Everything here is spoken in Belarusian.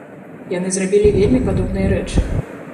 Яны зрабілі вельмі падобныя рэчы.